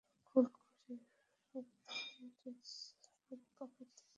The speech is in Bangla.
গোল করে গুতিয়েরেজ রেফারির পকেট থেকে ম্যাজিক স্প্রেটা একরকম চুরিই করে নিলেন।